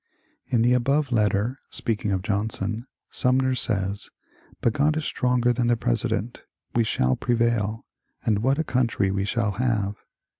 In the above letter, speaking of Johnson, Sumner says :" But God is stronger than the President." " We shall pre vail." " And what a country we shall have